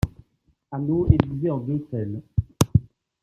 Anau est divisé en deux tells.